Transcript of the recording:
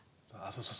そうそう。